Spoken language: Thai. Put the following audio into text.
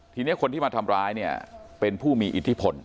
ทีนี้คนที่มาทำร้ายเนี่ยเป็นผู้มีอิทธิพล